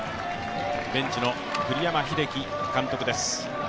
ベンチの栗山英樹監督です。